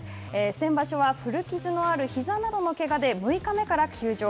先場所は古傷のあるひざなどのけがで６日目から休場。